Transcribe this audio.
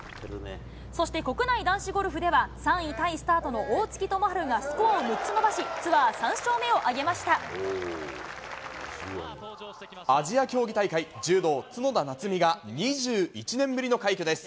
そして、国内男子ゴルフでは、３位タイスタートの大槻智春がスコアを３つ伸ばし、ツアー３勝目アジア競技大会、柔道、角田夏実が２１年ぶりの快挙です。